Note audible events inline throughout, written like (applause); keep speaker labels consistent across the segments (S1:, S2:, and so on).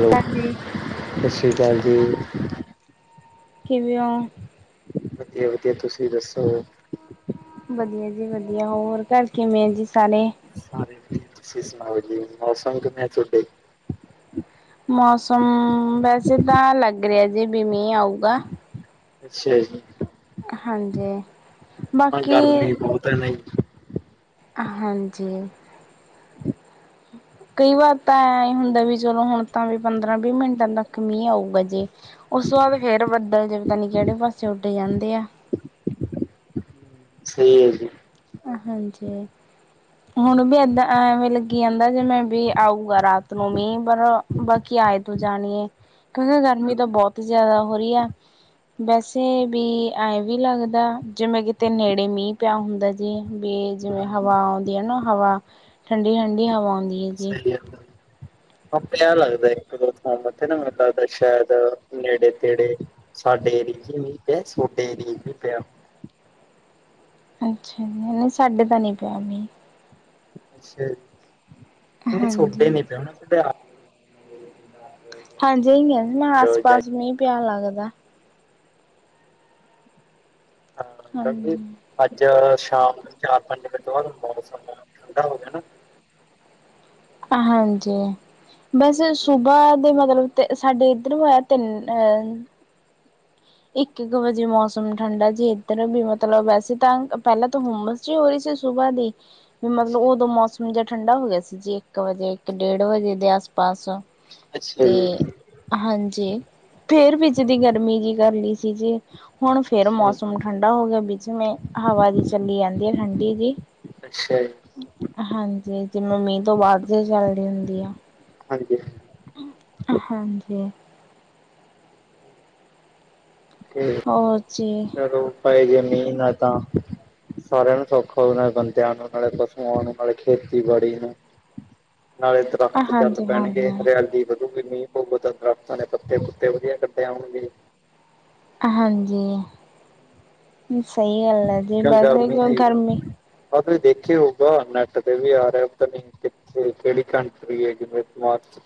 S1: Hello,
S2: ਹਾਂਜੀ।
S1: ਸਤਿ ਸ਼੍ਰੀ ਅਕਾਲ ਜੀ।
S2: ਕਿਵੇ ਓ?
S1: ਵਧੀਆ ਵਧੀਆ ਤੁਸੀਂ ਦੱਸੋ?
S2: ਵਧੀਆ, ਜੀ ਵਧੀਆ, ਹੋਰ ਘਰ ਕਿਵੇਂ ਆ ਜੀ ਸਾਰੇ।
S1: ਸਾਰੇ ਵਧੀਆ, ਤੁਸੀਂ ਸੁਣਾਓ ਜੀ, ਮੌਸਮ ਕਿਵੇਂ ਆ ਤੁਹਾਡੇ?
S2: ਮੌਸਮ, ਵੈਸੇ ਤਾਂ ਲੱਗ ਰਿਹਾ ਜੀ, ਮੀਂਹ ਆਊਗਾ।
S1: ਅੱਛਾ ਜੀ,
S2: ਹਾਂਜੀ
S1: ਅੱਜ
S2: ਬਾਕੀ
S1: ਗਰਮੀ ਬਹੁਤ ਹੈਨਾ।
S2: ਹਾਂਜੀ।
S1: ਹਮ। (inaudible)
S2: ਕਈ ਵਾਰ ਤਾਂ ਐ ਹੀ ਹੁੰਦਾ, ਵੀ ਚਲੋ ਹੁਣ ਤਾਂ ਵੀ ਪੰਦਰਾਂ ਵੀਹ ਮਿੰਟਾਂ ਤੱਕ ਮੀਂਹ, ਆਊਗਾ ਜੇ। ਉਸ ਤੋਂ ਬਾਅਦ ਫੇਰ ਬੱਦਲ, ਜਵੇ ਤਾ ਪਤਾ ਨਈ, ਕਿਹੜੇ ਪਾਸੇ ਉੱਡੇ ਜਾਂਦੇ ਆ।
S1: ਸਹੀ ਹੈ ਜੀ?
S2: ਹਾਂਜੀ। ਹੁਣ ਵੀ ਏਦਾਂ, ਐਵੇਂ ਲੱਗੀ ਜਾਂਦਾ, ਜਿਵੇ ਮੀਂਹ ਆਊਗਾ ਰਾਤ ਨੂੰ ਮੀਂਹ ਪਰ ਬਾਕੀ, ਆਏ ਤੂੰ ਜਾਣੀਏ, ਕਿਉਂਕਿ, ਗਰਮੀ ਤਾਂ ਬਹੁਤ ਜਿਆਦਾ ਹੋ ਰਹੀ ਹੈ। ਵੈਸੇ ਵੀ, ਐਵੇਂ ਵੀ ਲੱਗਦਾ, ਜਿਵੇਂ ਕਿਤੇ ਨੇੜੇ ਮੀਂਹ, ਪਿਆ ਹੁੰਦਾ। ਜ ਵੀ ਜਿਵੇਂ ਬੀਜ
S1: ਹਮ
S2: ਹਵਾ, ਆਉਂਦੀ ਹੈ ਨਾ ਹਵਾ, ਠੰਡੀ ਠੰਡੀ ਹਵਾ ਆਉਂਦੀ ਆ।
S1: ਸਹੀ ਹੈ। ਆਪਣੇ ਆਲਾ ਲੱਗਦਾ ਇਕ ਦੋ ਥਾਂ ਸ਼ਾਇਦ ਨੇੜੇ ਤੇੜੇ ਸਾਡੇ ਏਰੀਏ 'ਚ ਮੀਂਹ ਪਿਆ, ਤੁਹਾਡੇ ਏਰੀਏ 'ਚ ਨਈ ਪਿਆ।
S2: ਅੱਛਾ, ਨਹੀਂ ਸਾਡੇ ਤਾਂ ਨਹੀਂ ਪਿਆ ਮੀਂਹ।
S1: ਅੱਛਾ ਜੀ, ਨਹੀਂ ਸੋਡੇ
S2: ਹਾਂਜੀ
S1: ਨੀ ਪਿਆ ਹੋਣਾ, ਪਿਆ।
S2: ਹਾਂਜੀ, ਇਹੀ ਮੈਂ ਨਾ, ਆਸ
S1: ਆ
S2: ਪਾਸ ਮੀਂਹ ਪਿਆ ਲੱਗਦਾ।
S1: ਹਾਂ ਕਿਉਂਕਿ
S2: ਹਾਂਜੀ
S1: ਅੱਜ ਸ਼ਾਮ ਨੂੰ ਚਾਰ-ਪੰਜ ਵਜੇ ਤੋਂ ਬਾਅਦ ਮੌਸਮ ਠੰਡਾ, ਹੋ ਗਿਆ ਨਾ।
S2: ਹਾਂਜੀ, ਬਸ ਸੁਬਹ ਦੇ ਮਤਲਬ ਤੇ, ਸਾਡੇ ਇੱਧਰੋਂ ਆਇਆ, ਤ ਇੱਕ ਇੱਕ ਵਜੇ ਮੌਸਮ ਠੰਡਾ, ਜੇ ਇੱਧਰ ਵੀ ਮਤਲਬ ਵੈਸੇ ਤਾਂ ਪਹਿਲਾਂ, ਤਾਂ ਹੁੰਮਸ ਜੋ ਹੋਏ, ਸੋ ਸੁਬਹ ਦੇ ਮੈਨੂੰ
S1: ਅੱਛਾ
S2: ਉਦੋਂ ਮੌਸਮ, ਜਿਹਾ ਠੰਡਾ ਹੋ ਗਿਆ ਸੀ। ਜੀ ਇੱਕ ਵਜੇ, ਇੱਕ ਡੇਢ ਵਜੇ ਦੇ ਆਸ ਪਾਸ।
S1: ਅੱਛਾ
S2: ਤੇ
S1: ਜੀ
S2: ਹਾਂਜੀ, ਫੇਰ ਵੀ ਜਿਦੀ ਗਰਮੀ, ਜੀ ਗਰਮੀ, ਸੀ ਜੀ। ਹੁਣ ਫੇਰ,
S1: ਅੱਛਾ ਜੀ।
S2: ਮੌਸਮ ਠੰਡਾ ਹੋ ਗਿਆ, ਵਿੱਚ ਵੇ ਹਵਾ ਵੀ ਚੱਲੀ ਆਂਦੀ ਆਂ ਠੰਡੀ ਵੀ
S1: ਅੱਛਾ। ਜੀ
S2: ਹਾਂਜੀ, ਜਿਵੇਂ ਮੀਂਹ ਤੋਂ ਬਾਅਦ, ਵੀ ਚੱਲਦੀ ਹੁੰਦੀ ਆ।
S1: ਹਾਂਜੀ।
S2: ਹਾਂਜੀ। ਹੋਰ ਜੀ
S1: ਚਲੋ, ਪੈ ਜਾਏ, ਮੀਂਹ ਤਾਂ ਸਾਰਿਆਂ ਨੂੰ ਸੌਖਾ ਹੋ ਨਾਲੇ ਬੰਦਿਆਂ ਨੂੰ ਨਾਲੇ ਪਸੂਆਂ ਨੂੰ ਨਾਲੇ ਖੇਤੀਬਾੜੀ ਨੂੰ ਨਾਲੇ, ਦਰਖਤ ਚੱਲ
S2: ਹਾਂਜੀ
S1: ਪੈਣਗੇ,
S2: ਹਾਂਜੀ
S1: ਹਰਿਆਲੀ ਫਿਰ ਮੀਂਹ ਪਊਗਾ, ਤਾਂ ਦਰਖਤਾਂ, ਦੇ ਪੱਤੇ ਪੁੱਤੇ ਵਧੀਆ ਕਢੇ ਆਉਣਗੇ।
S2: ਹਾਂਜੀ, ਸਹੀ ਗੱਲ ਹੈ ਜੀ।
S1: ਕਿਆ
S2: ਵੈਸੇ
S1: ਗਰਮ
S2: ਕਿਉਂ
S1: ਹੈ,
S2: ਗਰਮੀ
S1: ਆਹ ਦੇਖਿਆ ਹੋਊਗਾ ਨੈੱਟ ਤੇ ਵੀ ਆ ਰਿਹਾ ਨਹੀਂ ਕਿਹੜੀ ਕਣਕ (inaudible) ਹੈਗੀ ਮਾਰਚ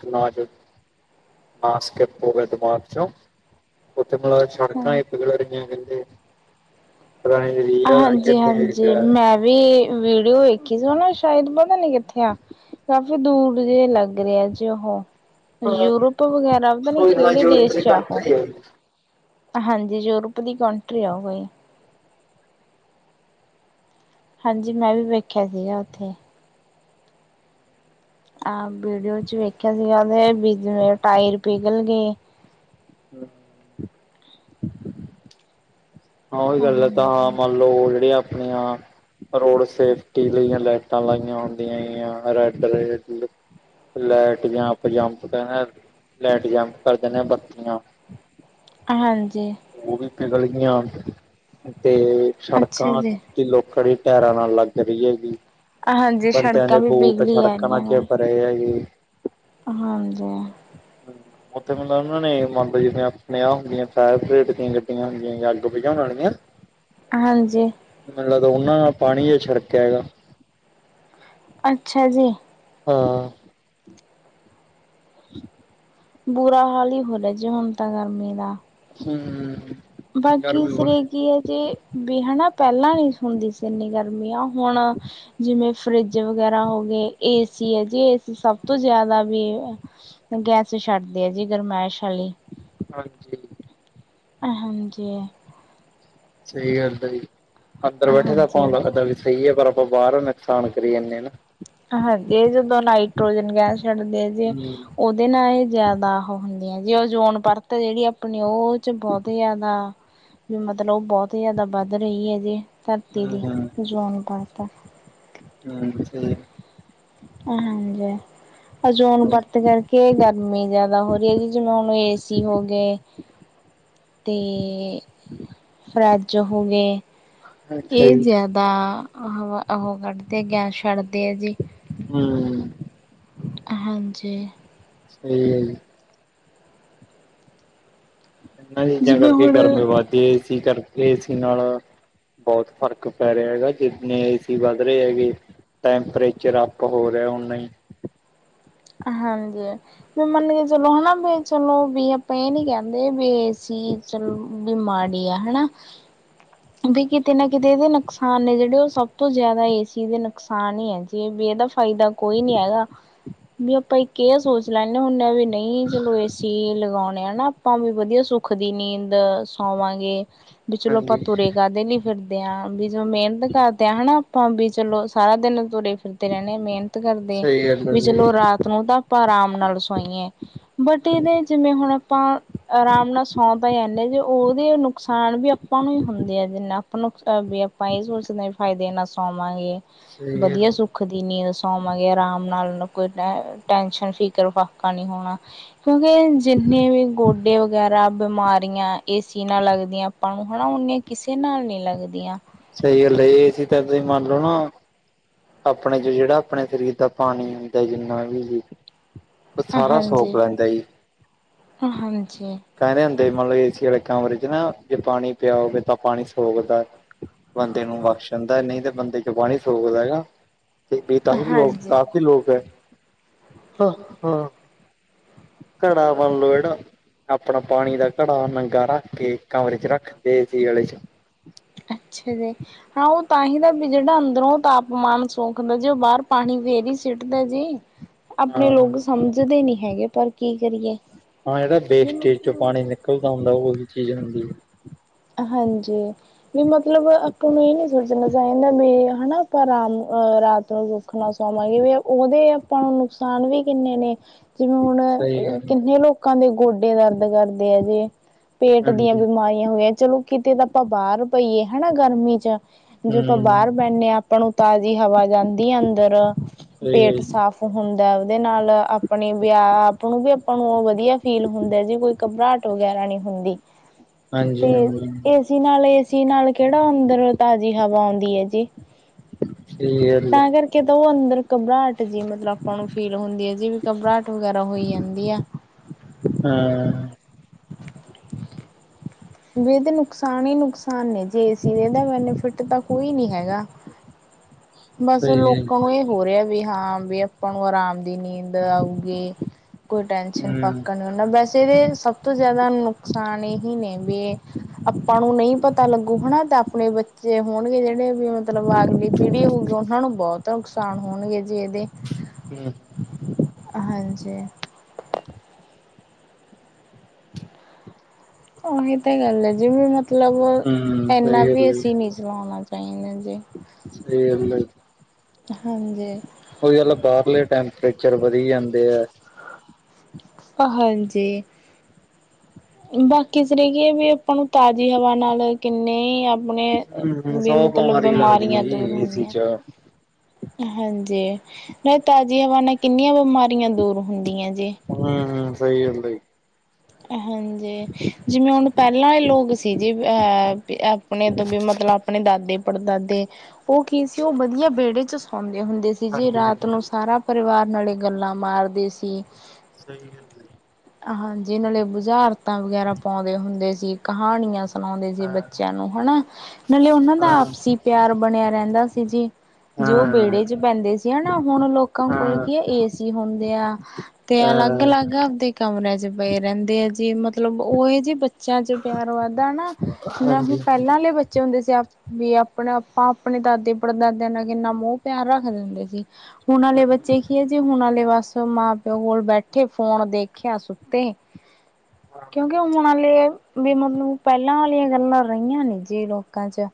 S1: (unintelligible)
S2: ਹਾਂ।
S1: (inaudible) ਪਤਾ ਨੀ ਰੀਅਲ ਆ
S2: ਹਾਂਜੀ
S1: ਕਿੱਥੇ
S2: ਹਾਂਜੀ
S1: ਹੈਗਾ
S2: ਮੈਂ ਵੀ ਵੀਡੀਓ ਵੇਖੀ ਸੀੋ ਨਾ ਸ਼ਾਇਦ ਪਤਾ ਨੀ ਕਿੱਥੇ ਆ। ਦੂਰ ਜਿਹੇ ਲੱਗ ਰਹੇ ਆ ਜੀ ਉਹ।
S1: ਹਾਂ
S2: ਯੂਰਪ ਵਗੈਰਾ ਪਤਾ ਨੀ
S1: ਕੋਈ ਨਾ
S2: ਕਿਹੜੇ
S1: ਯੂਰਪ
S2: ਦੇਸ
S1: ਦੀ
S2: ਚ ਏ ਓਹ
S1: ਕੰਟਰੀ ਹੈ।
S2: ਹਾਂਜੀ ਯੂਰਪ ਦੀ ਕੰਟਰੀ ਆ ਕੋਈ। ਹਾਂਜੀ ਮੈਂ ਵੀ ਵੇਖਿਆ ਸੀਗਾ ਉੱਥੇ। ਆਹ ਵੀਡੀਓ ਚ ਵੇਖਿਆ ਸੀਗਾ ਉਹਦੇ ਟਾਇਰ ਪਿਘਲ ਗਏ।
S1: ਹਮ। ਹਾਂ ਉਹੀ ਗੱਲ ਹੈ ਤਾਂ ਹਾਂ
S2: ਹਾਂਜੀ
S1: ਮੰਨ ਲਓ ਜਿਹੜੇ ਆਪਣੀਆ ਰੋਡ ਸੇਫਟੀ ਲਈ ਲੈ ਲਾਈਟਾਂ ਲਾਈਆਂ ਹੁੰਦੀਆਂ red light light jump jump ਕਹਿੰਦੇ ਲੈਟ ਜੰਪ ਕਰ ਦਿੰਦੇ ਆ ਬੱਤੀਆਂ।
S2: ਹਾਂਜੀ।
S1: ਉਹ ਵੀ ਪਿਗਲ ਗਈਆਂ ਤੇ ਸੜਕਾਂ।
S2: ਅੱਛਾ ਜੀ
S1: ਲੂਕ ਖੜੇ ਟੈਰਾਂ ਨਾਲ ਲੱਗ ਰਹੀ
S2: ਹਾਂਜੀ
S1: ਬੰਦਿਆਂ
S2: ਸੜਕਾਂ
S1: ਨੇ
S2: ਵੀ
S1: ਬੂਟ
S2: ਪਿਘਲੀ ਆ
S1: ਸੜਕਾਂ
S2: ਰਹੀਆਂ
S1: ਨਾਲ ਚ।
S2: ਨੇ
S1: ਨਹੀਂ ਆਈ ਹੈ।
S2: ਹਾਂਜੀ।
S1: ਉੱਥੇ ਮਤਲਬ ਉਹਨਾਂ ਨੇ ਮੰਨਦਾ ਜਿਵੇ ਆਪਣੇ ਆਹ ਹੁੰਦੀਆਂ ਫਾਈਰ ਫੇਟ (unintelligible)
S2: ਹਾਂਜੀ।
S1: ਮੈਨੂੰ ਲੱਗਦਾ ਉਹਨਾਂ ਨਾਲ ਪਾਣੀ ਜ ਛੜਕਿਆ ਹੈਗਾ।
S2: ਅੱਛਾ ਜੀ।
S1: ਹਾਂ। (inaudible)
S2: ਬੁਰਾ ਹਾਲ ਹੀ ਹੋਦਾਹਾ ਜੇ ਹੁਣ ਤਾਂ ਗਰਮੀ ਦਾ।
S1: ਹਮ ਹਮ
S2: ਬਾਕੀ ਸਰੇ ਕੀ ਹੈ ਜੇ ਵੀ ਹਨਾ ਪਹਿਲਾਂ ਨੀ ਹੂਣਦੀ ਸੀ ਇੰਨੀ ਗਰਮੀ ਆ ਹੁਣ ਜਿਵੇਂ ਫਰਿੱਜ ਵਗੈਰਾ ਹੋ ਗਏ ਏਸੀ ਹੈ ਜੀ ਏਸੀ ਸਭ ਤੋਂ ਜ਼ਿਆਦਾ ਵੀ ਗੈਸ ਛੱਡਦੇ ਆ ਜੀ ਗਰਮਾਇਸ਼ ਵਾਲੀ।
S1: ਹਾਂਜੀ।
S2: ਹਾਂਜੀ।
S1: ਸਹੀ ਗੱਲ ਦਾ ਜੀ ਅੰਦਰ ਬੈਠੇ ਦਾ
S2: ਹਾਂਜੀ।
S1: ਕੌਣ ਲੱਗਦਾ ਵੀ ਸਹੀ ਹੈ ਪਰ ਆਪਾਂ ਬਾਹਰ ਨੁਕਸਾਨ ਕਰੀ ਜਾਣੇ ਹਨਾ।
S2: ਹਾਂਜੀ। ਜਦੋਂ ਨਾਈਟ੍ਰੋਜਨ ਗੈਸ ਛੱਡਦੇ ਆ ਜੇ। ਉਹਦੇ ਨਾਲ ਹੀ ਜਿਆਦਾ ਆ ਹੁੰਦੀਆਂ ਜੇ ਓਜ਼ੋਨ ਪਰਤ ਜਿਹੜੀ ਆਪਣੀ ਉਹ। ਬਹੁਤ ਜ਼ਿਆਦਾ ਵੀ ਮਤਲਬ ਉਹ ਬਹੁਤ ਜ਼ਿਆਦਾ ਵੱਧ ਰਹੀ ਹੈ ਜੇ ਧਰਤੀ ਦੀ।
S1: ਹੂੰ-ਹੂੰ-ਹੂੰ
S2: ਜ਼ੋਨ ਪਾਰਤਾ।
S1: ਹਮ।
S2: ਹਾਂਜੀ। ਓਜ਼ੋਨ ਪਰਤ ਤ ਕਰਕੇ ਗਰਮੀ ਜਿਆਦਾ ਹੋ ਰਹੀ ਹੈਗੀ ਜਨਾ ਏਸੀ ਹੋ ਗਏ। ਤੇ ਫਰੈਚ ਹੋ ਗੇ।
S1: ਅੱਛਾ
S2: ਇਹ
S1: ਜੀ।
S2: ਜ਼ਿਆਦਾ ਹ ਉਹ ਕੱਢਦੇ ਆ ਗੈਸ ਛੱਡਦੇ ਆ ਜੀ।
S1: ਹੂੰ
S2: ਹਾਂਜੀ
S1: ਹਮ। ਇਹਨਾਂ ਚੀਜ਼ਾਂ
S2: ਜਿਵੇਂ
S1: ਕਰਕੇ
S2: ਹੁਣ
S1: ਗਰਮੀ ਵੱਧਦੀ ਏਸੀ ਕਰਕੇ ਏਸੀ ਨਾਲ। ਬਹੁਤ ਫ਼ਰਕ ਪੈ ਰਿਹਾ, ਹੈਗਾ ਜਿੰਨੇ ਏ ਸੀ ਵੱਧ ਰਹੇ ਹੈਗੇ। ਟੈਂਮਪਰੇਚਰ ਆਪ ਹੋ ਰਿਹਾ ਉਨਾ ਹੀ
S2: ਹਾਂਜੀ। ਵੀ ਮੰਨ ਕੇ ਚਲੋ ਹਨਾ ਬ, ਚਲੋ ਬ ਆਪਾਂ ਇਹ ਨੀ ਕਹਿੰਦੇ ਬੇ ਅਸੀ ਚਲੋ ਵੀ ਮਾੜੀ ਆ ਹਨਾ। ਵੀ ਕਿਤੇ ਨਾ ਕਿਤੇ ਇਹਦੇ ਨੁਕਸਾਨ ਨੇ ਜਿਹੜੇ ਉਹ ਸਭ ਤੋਂ ਜ਼ਿਆਦਾ ਏ ਸੀ ਦੇ ਨੁਕਸਾਨ ਹੀ ਹੈ ਜੇ ਵੀ ਇਹਦਾ ਫਾਇਦਾ। ਕੋਈ ਨੀ ਹੈਗਾ, ਵੀ ਆਪਾਂ ਕਿਹਾ ਸੋਚ ਲੈਂਦੇ ਹ ਹੁਣ ਮ ਵੀ। ਨਹੀਂ ਚਲੋ ਏਸੀ ਲਗਾਉਣੇ ਆ ਨਾ। ਭਾਵੇ ਵਧੀਆ ਸੁੱਖ ਦੀ ਨੀਂਦ ਸੌਂਵਾਂਗੇ ਵੀ ਚਲੋ ਆਪ
S1: ਹਾਂਜੀ,
S2: ਦੇ ਲਈ ਫਿਰਦੇ ਆਂ ਵੀ ਜੋ ਮਿਹਨਤ ਕਰਦੇ ਆ ਹਨਾ ਆਪਾਂ ਵੀ ਚਲੋ ਸਾਰਾ ਦਿਨ ਤੁਰ ਫਿਰਦੇ ਰਹਿੰਣੇ ਆ ਮਿਹਨ ਕਰਦੇ
S1: ਸਹੀ ਗੱਲ ਹੈ,
S2: ਵੀ
S1: ਸਹੀ ਗੱਲ
S2: ਚਲੋ ਰਾਤ ਨੂੰ ਤਾਂ ਆਪਾਂ ਆਰਾਮ ਨਾਲ ਸੋਈਏ। ਬਟ
S1: ਹਾਂਜੀ।
S2: ਇਹਦੇ ਜਿਵੇਂ ਹੁਣ ਆਪਾਂ ਆਰਾਮ ਨਾਲ ਸੌਂਦਾ ਹੀ ਆਦੇ ਜੇ ਉਹਦੇ ਨੁਕਸਾਨ ਵੀ ਆਪਾਂ ਨੂੰ ਹੀ ਹੁੰਦੇ ਆ ਜਿ ਆਪ ਨੂੰ ਵੀ ਆਪਾਂ ਇਹ ਸੋਚਦੇ ਫਾਇਦੇ ਨਾ ਸੋਵਾਂਗੇ
S1: ਸਹੀ
S2: ਵਧੀਆ
S1: ਗੱਲ
S2: ਸੁੱਖ ਦੀ ਨੀਂਦ ਸੌਵਾਂਗੇ ਆਰਾਮ ਨਾਲ ਕੋਈ ਟੈਨਸ਼ਨ ਫਿਕਰ- ਫਾਕਾ ਨਹੀਂ ਹੋਣਾ। ਕਿਉਂਕਿ ਜਿੰਨੇ ਵੀ ਗੋਡੇ ਵਗੈਰਾ ਬਿਮਾਰੀਆਂ ਏ ਸੀ ਨਾਲ ਲੱਗਦੀਆਂ ਆਪਾਂ ਨੂੰ ਹਨਾ ਓਨੀਆਂ ਕਿਸੇ ਨਾਲ ਨਹੀਂ ਲੱਗਦੀਆਂ।
S1: ਸਹੀ ਗੱਲ ਇਹ ਏਸੀ ਤਾਂ ਤੁਸੀਂ ਮਨ ਲੋ ਨਾ। ਆਪਣੇ 'ਚ ਜਿਹੜਾ ਆਪਣੇ ਸਰੀਰ ਦਾ ਪਾਣੀ ਹੁੰਂਦਾ ਜਿੰਨਾ ਵੀ ਉਹ ਸਾਰਾ ਸੋਕ
S2: ਹਾਂਜੀ-
S1: ਲੈਂਦਾ ਜੀ
S2: ਹਾਂਜੀ
S1: ਕਹਿੰਦੇ ਹੁੰਦੇ ਮਤਲਬ ਏ ਸੀ ਵਾਲੇ ਕਮਰੇ 'ਚ ਨਾ ਜੇ ਪਾਣੀ ਪਿਆ ਹੋਵੇ ਤਾਂ ਪਾਣੀ ਸੋਗਦਾ। ਬੰਦੇ ਨੂੰ ਬਖਸ਼ਣ ਦਾ ਨਹੀਂ ਤੇ ਬੰਦੇ 'ਚ ਪਾਣੀ ਸੋਕ ਲਏਗਾ। ਬੇਤਾਸੀ (unintelligible) ਲੋਕ
S2: ਹਾਂਜੀ
S1: ਕਾਫੀ ਲੋਕ ਹੈ ਹ ਹਾ। ਘੜਾ ਬਣ ਲੋ ਇਹੜਾ ਆਪਣਾ ਪਾਣੀ ਦਾ ਘੜਾ ਨੰਗਾ ਰੱਖ ਕੇ ਕਮਰੇ 'ਚ ਰੱਖਦੇ ਏ ਸੀ ਅਲੇ 'ਚ
S2: ਅੱਛਾ ਜੀ ਹਾਂ ਉਹ ਤਾਂ ਹੀ ਦਾ ਵੀ ਜਿਹੜਾ ਅੰਦਰੋਂ ਤਾਪਮਾਨ ਸੋ ਦਾ ਜੇ ਉਹ ਬਾਹਰ ਪਾਣੀ ਫੇਰ ਹੀ ਸਿੱਟਦਾ ਜੀ
S1: ਹਾਂ
S2: ਆਪਣੇ ਲੋਕ ਸਮਝ ਜਦੇ ਨੀ ਹੈਗੇ ਪਰ ਕੀ ਕਰੀਏ।
S1: ਹਾਂ ਜਿਹੜਾ ਵੇਸਟੇਜ 'ਚ
S2: ਬਿਲਕੁਲ
S1: ਪਾਣੀ ਨਿਕਲਦਾ ਹੁੰਦਾ ਉਹੀ ਚੀਜ਼ ਹੁੰਦੀ।
S2: ਹਾਂਜੀ। ਮਤਲਬ ਆਪਾਂ ਨੂੰ ਇਹ ਨਹੀਂ ਸੋਚਣਾ ਚਾਹੀਦਾ ਬੀ ਹਨਾ ਪਰ ਰ ਰਾਤ ਨੂੰ ਵੀ ਰਖਣਾ ਚਾਹਵਾਂਗੇ ਵੀ ਉਹਦੇ ਆਪਾਂ ਨੂੰ ਨੁਕਸਾਨ ਵੀ ਕਿੰਨੇ ਨੇ। ਜਿਵੇਂ ਹੁਣ
S1: ਸਹੀ ਗੱਲ
S2: ਕਿੰਨੇ ਲੋਕਾਂ ਦੇ ਗੋਡੇ ਦਰਦ ਕਰਦੇ ਆ ਜੇ ਪੇਟ ਦੀਆਂ
S1: ਹਾਂਜੀ
S2: ਬਿਮਾਰੀਆਂ ਹੋਈਆਂ ਚਲੋ ਕਿਤੇ ਤਾਂ ਆਪਾਂ ਬਾਹਰ ਪਈਏ। ਹਨਾ ਗਰਮੀ 'ਚ ਜੋ ਆਪਾਂ
S1: ਹੂੰ
S2: ਬਾਹਰ ਬਹਿੰਦੇ ਹਾਂ ਆਪਾਂ ਨੂੰ ਤਾਜ਼ੀ ਹਵਾ ਜਾਂਦੀ ਆ ਅੰਦਰ
S1: ਸਹੀ ਹੈ
S2: ਪੇਟ
S1: ਜੀ
S2: ਸਾਫ਼ ਹੁੰਦਾ ਉਹਦੇ ਨਾਲ ਆਪਣੀ ਵਿਆਹ ਆਪ ਨੂੰ ਵੀ ਆਪਾਂ ਨੂੰ ਉਹ ਵਧੀਆ ਫੀਲ ਹੁੰਦਾ ਜੀ ਕੋਈ ਘਬਰਾਹਟ ਵਗੈਰਾ ਨਹੀਂ ਹੁੰਦੀ।
S1: ਹਾਂਜੀ
S2: ਤੇ
S1: ਹਾਂਜੀ ਹਾਂਜੀ,
S2: ਏ ਸੀ ਨਾਲ ਏ ਸੀ ਨਾਲ ਕਿਹੜਾ ਅੰਦਰ ਤਾਜ਼ੀ ਹਵਾ ਆਉਂਦੀ ਹੈ ਜੀ।
S1: ਸਹੀ ਗੱਲ ਏ।
S2: ਤਾਂ ਕਰਕੇ ਤਾਂ ਉਹ ਅੰਦਰ ਘਬਰਾਹਟ ਜੀ ਮਤਲਬ ਆਪਾਂ ਨੂੰ ਫੀਲ ਹੁੰਦੀ ਹੈ ਜੀ ਵੀ ਘਬਰਾਹਟ ਵਗੈਰਾ ਹੋਈ ਜਾਂਦੀ ਆ।
S1: ਹਾਂ।
S2: ਵੇਹਦੇ ਨੁਕਸਾਨ ਤਾਂਹੀ ਨੁਕਸਾਨ ਨੇ ਏ ਸੀ ਇਹਦਾ ਬੈਨੀਫਿਟ ਤਾਂ ਕੋਈ ਨੀ ਹੈਗਾ। ਬਸ
S1: ਸਹੀ ਹੈ ਜੀ।
S2: ਲੋਕਾਂ ਨੂੰ ਇਹ ਹੋ ਰਿਹਾ ਵੀ ਹਾਂ ਵੀ ਆਪਾਂ ਨੂੰ ਆਰਾਮ ਦੀ ਨੀਂਦ ਆਊਗੀ ਕੋਈ ਟੈਨਸ਼ਨ
S1: ਹੂੰ
S2: ਫਾਕਾ ਨੀ ਨਾ ਵੈਸੇ ਇਹਦੇ ਸਭ ਤੋਂ ਜ਼ਿਆ ਨੁਕਸਾਨ ਇਹੀ ਨੇ ਵੀ, ਆਪਾਂ ਨੂੰ ਨਹੀਂ ਪਤਾ ਲੱਗੂ ਹਨਾ। ਤਾਂ ਆਪਣੇ ਬੱਚੇ ਹੋਣਗੇ। ਜਿਹੜੇ ਵੀ ਮਤਲਬ ਅਗਲੀ ਪੀੜ੍ਹੀ ਹੋਊਗੀ। ਉਹਨਾਂ ਨੂੰ ਬਹੁਤ ਤਾਂ ਨੁਕਸਾਨ ਹੋਣਗੇ ਜੇ ਇਹਦੇ
S1: ਹੂੰ
S2: ਹਾਂਜੀ ਉਹੀ ਤਾਂ ਗੱਲ ਹੈ ਜਿਵੇਂ ਮਤਲਬ
S1: ਹੂੰ
S2: ਇਨਾ
S1: ਸਹੀ ਗੱਲ
S2: ਵੀ
S1: ਹੈ
S2: ਅਸੀ
S1: ਜੀ
S2: ਨੀ ਸੀ। ਚਲਾਉਣਾ ਚਾਹੀਦਾ ਜੇ
S1: (unintelligible)
S2: ਹਾਂਜੀ
S1: ਉਈ ਗੱਲ ਬਾਹਰਲੇ ਟੈਂਪਰੇਚਰ ਵਧੀ ਜਾਂਦੇ ਆ।
S2: ਹਾਂਜੀ। ਬਾਕੀ ਸਰੀ ਕੀ ਵੀ ਆਪਾਂ ਨੂੰ ਤਾਜ਼ੀ ਹਵਾ ਨਾਲ ਕਿੰਨੇ ਆਪਣੇ
S1: ਹੂੰ
S2: ਵੀ
S1: ਸੌ
S2: ਮਤਲਬ
S1: ਬਿਮਾਰੀ ਲੱਗਦੀ ਹੈ
S2: ਬਿਮਾਰੀਆਂ ਦੂਰ
S1: ਜੀ ਏਸੀ
S2: ਹੁੰਦੀਆਂ।
S1: ਚ
S2: ਹਾਂਜੀ। ਮੈ ਤਾਜ਼ੀ ਹਵਾ ਨਾਲ ਕਿੰਨੀਆਂ ਬਿਮਾਰੀਆਂ ਦੂਰ ਹੁੰਦੀਆਂ ਜੀ।
S1: ਹੂੰ ਹੂੰ ਸਹੀ ਗੱਲ ਦਾ।
S2: ਹਾਂਜੀ। ਜਿਵੇਂ ਹੁਣ ਪਹਿਲਾਂ ਇਹ ਲੋਕ ਸੀ ਜੀ। ਅਹ ਆਪਣੇ ਤੋਂ ਵੀ ਮਤਲਬ ਆਪਣੇ ਦਾਦੇ ਪੜਦਾਦੇ ਉਹ ਕੀ ਸੀ। ਉਹ ਵਧੀਆ ਵਿਹੜੇ ਚ ਸੌਉਂਦੇ ਹੁੰਦੇ ਸੀ। ਜੇ
S1: ਹਾਂਜੀ
S2: ਰਾਤ
S1: ਹਾਂਜੀ
S2: ਨੂੰ ਸਾਰਾ ਪਰਿਵਾਰ ਨਾਲੇ ਗੱਲਾਂ ਮਾਰਦੇ ਸੀ।
S1: ਸਹੀ ਗੱਲ ਏ
S2: ਹਾਂਜੀ ਨਾਲੇ ਬੁਜ਼ਾਰਤਾਂ ਵਗੈਰਾ ਪਾਉਂਦੇ ਹੁੰਦੇ ਸੀ ਕਹਾਣੀਆਂ ਸੁਨਾਉਂਦੇ ਜੇ
S1: ਹਾਂ
S2: ਬੱਚਿਆਂ ਨੂੰ ਹਨਾ ਨਾਲੇ ਉਹਨਾਂ ਦਾ
S1: ਹਾਂ
S2: ਆਪਸੀ ਪਿਆਰ ਬਣਿਆ ਰਹਿੰਦਾ ਸੀ ਜੀ। ਜੇ ਉਹ
S1: ਹਾਂ
S2: ਵਿਹੜੇ ਚ ਪੈਂਦੇ ਸੀ ਹਨਾ ਹੁਣ ਲੋਕਾਂ ਕੋਲ
S1: ਹਾਂ
S2: ਕੀ ਹੈ ਇਸ ਹੁੰਦੇ ਆ ਤੇ,
S1: ਅ
S2: ਅਲੱਗ-ਅਲੱਗ ਆਪਦੇ ਕਮਰਿਆਂ ਚ ਬਏ ਰਹਿੰਦੇ ਆ ਜੀ ਮਤਲਬ ਉਹ ਜੀ ਬੱਚਿਆਂ ਚ ਪਿਆਰ ਵਧਦਾ ਨਾ, ਨਾ
S1: ਹਾਂਜੀ
S2: ਪਹਿਲਾ
S1: ਹਾਂਜੀ
S2: ਵਾਲੇ ਬੱਚੇ ਹੁੰਦੇ ਸੀ ਆਪ ਵੀ ਆਪਣੇ ਆਪਾਂ ਆਪਣੇ ਦਾਦੇ ਪੜਦਾਦਿਆਂ ਨਾਲ ਕਿੰਨਾ ਮੋਹ ਪਿਆਰ ਰੱਖਦੇ ਹੁੰਦੇ ਸੀ। ਹੁਣ ਵਾਲੇ ਬੱਚੇ ਕੀ ਹੈ। ਜੀ ਹੁਣ ਆੇ ਬਸ ਮਾਂ ਪਿਓ ਕੋਲ ਬੈਠੇ ਫੋਨ ਦੇਖਿਆ ਤੇ, ਕਿਉਂਕਿ ਉਹਮਣ ਵਾਲੇ ਵੀ ਮਤਲਬ ਪਹਿਲਾਂ ਵਾਲੀਆਂ ਗੱਲਾਂ ਰਹੀਆਂ ਨਈ ਜੀ ਲੋਕਾਂ ਚ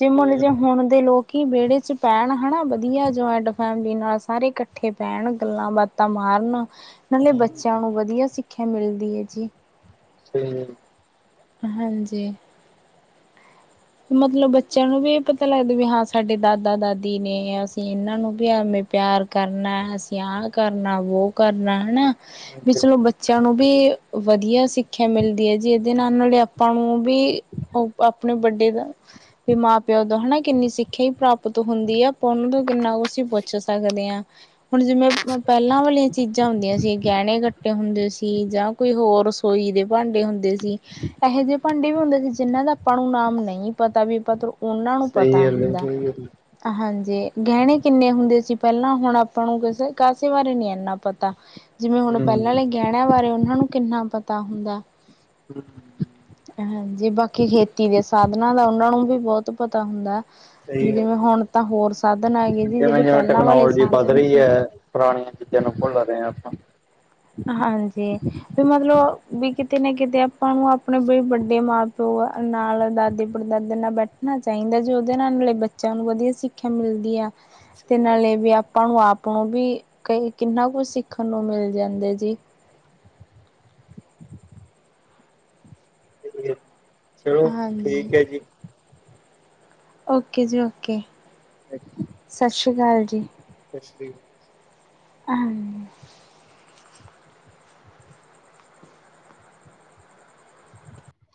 S2: ਜੇ
S1: ਸਹੀ
S2: ਮੁਤਲ ਜੇ
S1: ਗੱਲ
S2: ਹੁਣ ਦੇ ਲੋਕੀ ਵਿਹੜੇ ਚ ਪੈਣ ਹਨਾ ਵਧੀਆ ਜੁਆਇੰਟ ਫੈਮਲੀ ਨਾਲ ਸਾਰੇ ਇਕੱਠੇ ਪੈਣ ਗੱਲਾਂ ਬਾਤ ਮਾਰਨ ਨਾਲੇ
S1: ਹੂੰ,
S2: ਬੱਚਿਆਂ ਨੂੰ ਵਧੀਆ ਸਿੱਖਿਆ ਮਿਲਦੀ ਹੈ ਜੀ।
S1: ਸਹੀ ਗੱਲ
S2: ਹਾਂਜੀ। ਮਤਲਬ ਬੱਚਿਆਂ ਨੂੰ ਵੀ ਇਹ ਪਤਾ ਲੱਗਦਾ ਵੀ ਹਾਂ। ਸਾਡੇ ਦਾਦਾ -ਦਾਦੀ ਨੇ ਅਸੀਂ ਇਹਨਾਂ ਨੂੰ ਵੀ ਐਵੇਂ ਪਿਆਰ ਕਰਨਾ, ਸਿਆਹ ਕਰਨਾ, ਵੋ ਕਰਨਾ ਹੈ ਨਾ।
S1: ਗੱਲ
S2: ਵੀ
S1: ਹੈ
S2: ਚਲੋ ਬੱਚਿਆਂ ਨੂੰ ਵੀ ਵਧੀਆ ਸਿੱਖਿਆ ਮਿਲਦੀ ਏ ਜੀ। ਦੇ ਨਾਲ- ਨਾਲ ਆਪਾਂ ਨੂੰ ਵੀ ਉਹ ਆਪਣੇ ਬੱਡੇ ਦਾ ਵੀ ਮਾਂ- ਪਿਓ ਦਾ ਹਨਾ। ਕਿੰਨੀ ਸਿੱਖਿਆ ਹੀ ਪ੍ਰਾਪਤ ਹੁੰਦੀ ਆ। ਆਪਾਂ ਉਹਨਾਂ ਤੋਂ ਕਿੰਨਾ ਕੁਸੀਂ ਪੁੱਛ ਸਕਦੇ ਆਂ। ਹੁਣ ਜਿਵੇਂ ਪਹਿਲਾਂ ਵਾਲੀਆਂ ਚੀਜ਼ਾਂ ਹੁੰਦੀਆਂ ਸੀ। ਗਹਿਣੇ ਕੱਟੇ ਹੁੰਦੇ ਸੀ। ਚੀਜਾਂ ਕੋਈ ਹੋਰ ਰਸੋਈ ਦੇ ਭਾਂਡੇ ਹੁੰਦੇ ਸੀ। ਇਹੋ ਜਿਹੇ ਭਾਂਡੇ ਵੀ ਹੁੰਦੇ ਸੀ ਜਿਹਨਾਂ ਦਾ ਆਪਾਂ ਨੂੰ ਨਾਮ ਨਈ ਪਤਾ ਵੀ ਉਹਨਾਂ ਨੂੰ ਪਤਾ
S1: ਸਹੀ
S2: ਹੁੰਦਾ
S1: ਗੱਲ ਹੈ
S2: ਹਾਂਜੀ ਗਹਿਣੇ ਕਿੰਨੇ ਹੁੰਦੇ ਸੀ ਪਹਿਲਾਂ ਹੁਣ ਆਪਾਂ ਨੂੰ ਕਿਸ ਕਾਸੇ ਬਾਰੇ ਨੀ ਇਨਾ ਪਤਾ ਜਿਵੇਂ ਹੁਣ
S1: ਹੂੰ
S2: ਪਹਿਲਾਂ ਵਾਲੇ ਗਹਿਣਿਆਂ ਬਾਰੇ ਉਹਨਾਂ ਨੂੰ ਕਿੰਨਾ ਪਤਾ ਹੁੰਦਾ
S1: (inaudible)
S2: ਹਾਂਜੀ, ਬਾਕੀ ਖੇਤੀ ਦੇ ਸਾਧਨਾਂ ਦਾ ਉਹਨਾਂ ਨੂੰ ਵੀ ਬਹੁਤ ਪਤਾ ਹੁੰਦਾ। ਵੀ
S1: ਗੱਲ
S2: ਜਿਵੇਂ
S1: ਹੈ।
S2: ਹੁਣ ਤਾਂ ਹੋਰ ਸਾਧਨ ਆ ਗੇਏ ਜੀ
S1: ਜਿਵੇਂ
S2: ਜਿਹੜੇ
S1: ਜਿਵੇਂ
S2: ਪਹਿਲਾਂ ਵਾਲੇ
S1: ਟੈਕਨੋਲੋਜੀ ਵੱਧ
S2: ਸਾਧਨ
S1: ਰਹੀ
S2: ਸੀ
S1: ਹੈ ਪੁਰਾਣੀਆਂ ਚੀਜ਼ਾਂ ਨੂੰ ਭੁੱਲ ਰਹੇ ਹਾਂ ਆਪਾਂ
S2: ਹਾਂਜੀ ਵੀ ਮਤਲਬ ਵੀ ਕਿਤੇ ਨਾ ਕਿਤੇ ਆਪਾਂ ਨੂੰ ਆਪਣੇ ਵੱਡੇ ਮਾਂ ਪਿਓ ਨਾਲ ਦਾਦੇ ਪੜਦਾਦੇ ਨਾਲ ਬੈਠਨਾ ਚਾਂਈਦਾ, ਜੋ ਓਦੇ ਨਾਲ ਮਲਬ ਬੱਚੇਆਂ ਨੂੰ ਵਦੀਆ ਸਿੱਖੇਆ ਮਿਲਦੀ ਆ। ਤੇ ਨਾਲੇ ਵੀ ਆਪਾਂ ਨੂੰ ਆਪ ਨੂੰ ਵੀ ਕ ਕਿੰਨਾ ਕੁਝ ਸਿੱਖਣ ਨੂੰ ਮਿਲ ਜਾਂਦੇ (inaudible)
S1: (unintelligible) ਚਲੋ
S2: ਹਾਂਜੀ
S1: ਠੀਕ ਹੈ ਜੀ।
S2: ਓਕੇ ਜੀ ਓਕੇ,
S1: ਸਤਿ
S2: ਸਤਿ ਸ਼੍ਰੀ ਅਕਾਲ ਜੀ।
S1: (inaudible)
S2: ਹਾਂ